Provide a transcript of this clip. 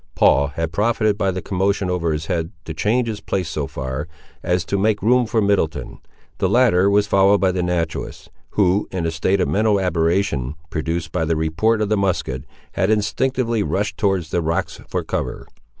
Paul had profited by the commotion over his head to change his place so far, as to make room for Middleton. The latter was followed by the naturalist, who, in a state of mental aberration, produced by the report of the musket, had instinctively rushed towards the rocks for cover.